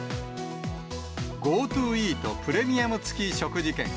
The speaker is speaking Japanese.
ＧｏＴｏイートプレミアム付き食事券。